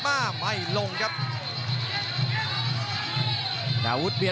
กำปั้นขวาสายวัดระยะไปเรื่อย